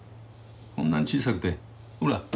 こんなに小さくてほら。